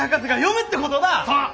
そう！